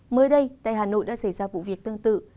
mới đây tại hà nội đã xảy ra vụ việc tương tự